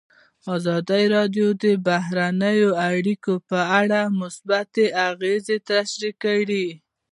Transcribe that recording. ازادي راډیو د بهرنۍ اړیکې په اړه مثبت اغېزې تشریح کړي.